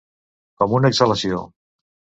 Com una exhalació.